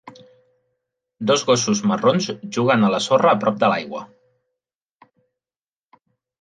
Dos gossos marrons juguen a la sorra a prop de l'aigua.